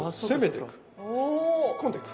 突っ込んでく。